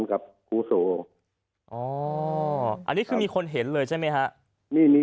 กับครูโสอ๋ออันนี้คือมีคนเห็นเลยใช่ไหมฮะนี่มี